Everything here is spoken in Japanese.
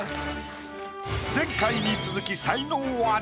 前回に続き才能アリ。